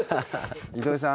糸井さん